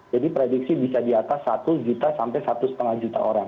jadi prediksi bisa di atas satu juta sampai satu lima juta orang